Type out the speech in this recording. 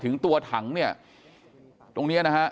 กลุ่มตัวเชียงใหม่